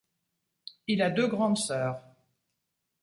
Il a deux grandes sœurs.